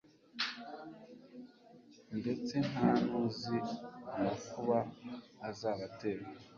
ndetse nta n’uzi amakuba azabatera